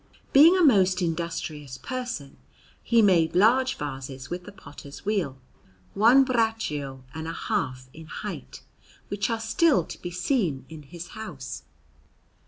Being a most industrious person, he made large vases with the potter's wheel, one braccio and a half in height, which are still to be seen in his house.